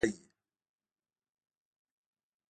دا حذف د مذهبي عقایدو له امله وي.